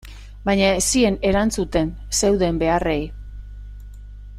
Baina ez zien erantzuten zeuden beharrei.